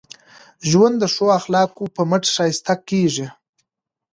ژوند د ښو اخلاقو په مټ ښایسته کېږي.